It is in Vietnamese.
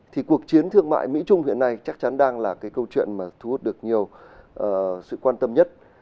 thì cuộc chiến thương mại mỹ trung hiện nay chắc chắn đang là cái câu chuyện mà thu hút được nhiều sự quan tâm nhất